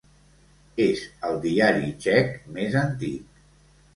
És el diari txec més antic.